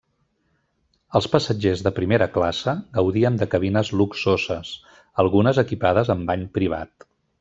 Els passatgers de primera classe gaudien de cabines luxoses, algunes equipades amb bany privat.